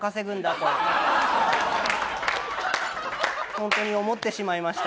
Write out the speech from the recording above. ホントに思ってしまいました。